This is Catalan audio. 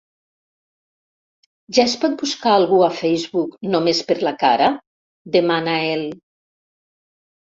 Ja es pot buscar algú a Facebook, només per la cara? —demana el